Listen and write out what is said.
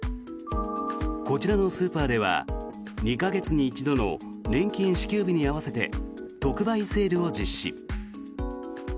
こちらのスーパーでは２か月に一度の年金支給日に合わせて特売セールを実施。